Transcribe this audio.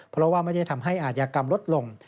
เพราะว่าไม่ได้ทำให้อาชญากรรมลดลง